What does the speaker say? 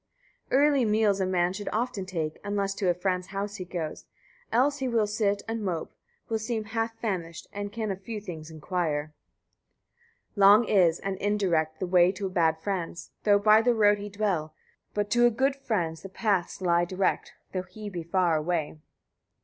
33. Early meals a man should often take, unless to a friend's house he goes; else he will sit and mope, will seem half famished, and can of few things inquire. 34. Long is and indirect the way to a bad friend's, though by the road he dwell; but to a good friend's the paths lie direct, though he be far away.